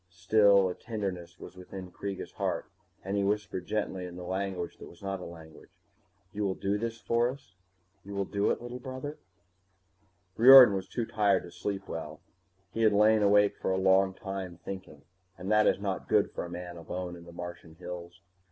Still, a tenderness was within Kreega's heart, and he whispered gently in the language that was not a language, You will do this for us? You will do it, little brother? Riordan was too tired to sleep well. He had lain awake for a long time, thinking, and that is not good for a man alone in the Martian hills.